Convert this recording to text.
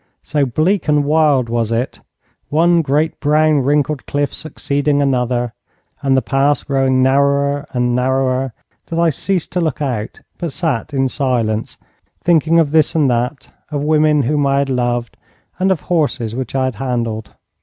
So bleak and wild was it, one great brown wrinkled cliff succeeding another, and the pass growing narrower and narrower, that I ceased to look out, but sat in silence, thinking of this and that, of women whom I had loved and of horses which I had handled.